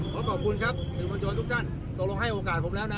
ขอบคุณครับถึงมาโจทย์ทุกท่านตกลงให้โอกาสผมแล้วน่ะ